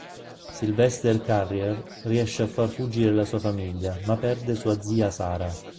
Sylvester Carrier riesce a far fuggire la sua famiglia ma perde sua zia Sarah.